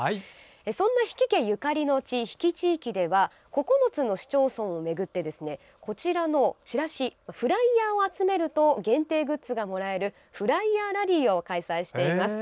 そんな比企家ゆかりの地比企地域では９つの市町村を巡ってチラシ、フライヤーを集めると限定グッズがもらえるフライヤーラリーを開催しています。